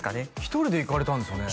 １人で行かれたんですよね？